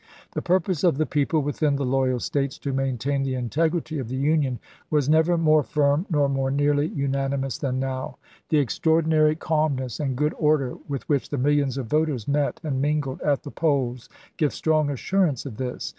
The purpose of the people within the loyal States to maintain the integrity of the Union was never more firm nor more nearly unanimous than now. The extraordinary 384 ABRAHAM LINCOLN Chap. xvi. calmness and good order with which the millions of voters met and mingled at the polls give strong assurance of this.